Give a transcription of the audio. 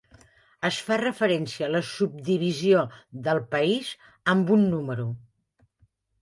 Es fa referència a la subdivisió del país amb un número.